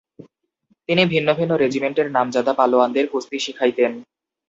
তিনি ভিন্ন ভিন্ন রেজিমেন্টের নামজাদা পালোয়ানদের কুস্তি শিখাইতেন।